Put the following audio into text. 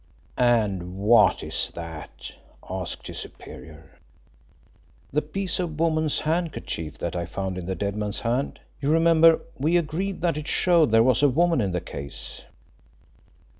"And what is that?" asked his superior. "The piece of woman's handkerchief that I found in the dead man's hand. You remember we agreed that it showed there was a woman in the case."